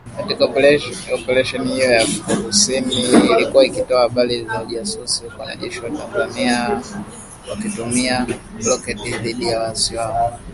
Katika Oparesheni hiyo, Afrika kusini ilikuwa ikitoa habari za ujasusi huku wanajeshi wa Tanzania wakitumia roketi dhidi ya waasi hao